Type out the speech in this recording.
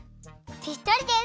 ぴったりです！